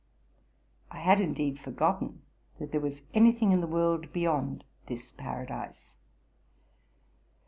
I had indeed forgotten that there was any thing in the world beyond this paradise.